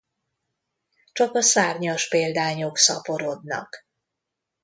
Csak a szárnyas példányok szaporodnak.